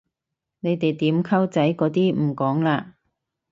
你哋點溝仔嗰啲唔講嘞？